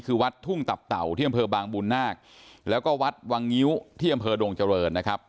คือวัดทุ่งตับเต่าที่อำเภอบางบุญนาคแล้วก็วัดวังงิ้วที่อำเภอดงเจริญนะครับ